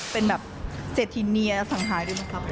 เป็นแบบเศรษฐินียอสังหาด้วยมังคับ